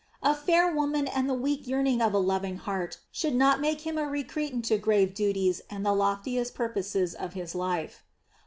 A fair woman and the weak yearning of a loving heart should not make him a recreant to grave duties and the loftiest purposes of his life.